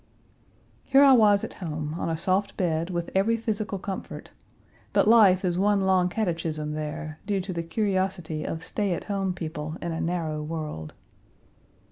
Here I was at home, on a soft bed, with every physical comfort; but life is one long catechism there, due to the curiosity of stay at home people in a narrow world.